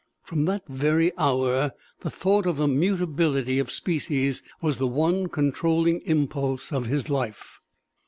From that very hour the thought of the mutability of species was the one controlling impulse of his life.